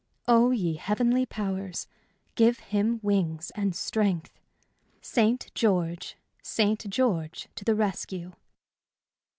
Oh, ye heavenly powers, give him wings and strength! "St. George St. George to the rescue!"